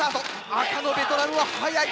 赤のベトナムもはやい。